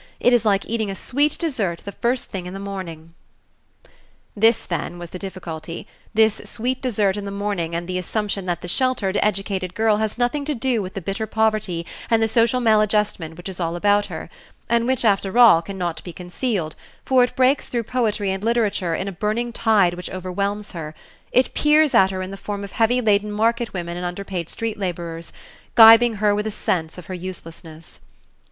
It is like eating a sweet dessert the first thing in the morning." This, then, was the difficulty, this sweet dessert in the morning and the assumption that the sheltered, educated girl has nothing to do with the bitter poverty and the social maladjustment which is all about her, and which, after all, cannot be concealed, for it breaks through poetry and literature in a burning tide which overwhelms her; it peers at her in the form of heavy laden market women and underpaid street laborers, gibing her with a sense of her uselessness.